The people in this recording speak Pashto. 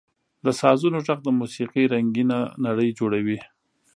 • د سازونو ږغ د موسیقۍ رنګینه نړۍ جوړوي.